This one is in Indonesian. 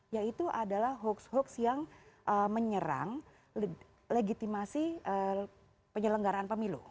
yaitu adalah hoax hoax yang menyerang legitimasi penyelenggaraan pemilu